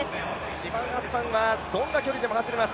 シファン・ハッサンはどんな距離でも走れます。